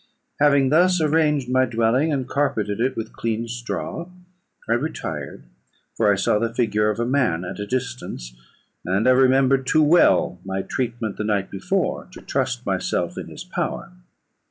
"Having thus arranged my dwelling, and carpeted it with clean straw, I retired; for I saw the figure of a man at a distance, and I remembered too well my treatment the night before, to trust myself in his power.